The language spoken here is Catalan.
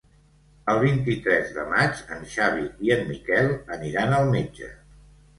El vint-i-tres de maig en Xavi i en Miquel aniran al metge.